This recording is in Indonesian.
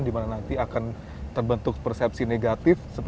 dimana nanti akan terbentuk persepsi negatif